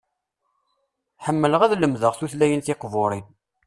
Ḥemmleɣ ad lemdeɣ tutlayin tiqburin.